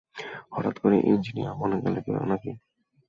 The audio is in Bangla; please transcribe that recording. হঠাৎ করে ইঞ্জিনিয়ার বনে গেলে নাকি?